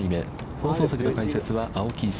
放送席の解説は青木功